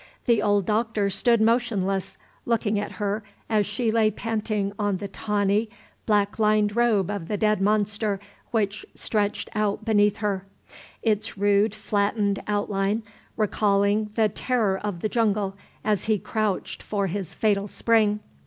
The old Doctor stood motionless, looking at her as she lay panting on the tawny, black lined robe of the dead monster which stretched out beneath her, its rude flattened outline recalling the Terror of the Jungle as he crouched for his fatal spring.